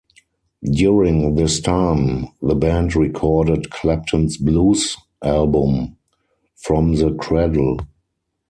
During this time, the band recorded Clapton's blues album "From the Cradle".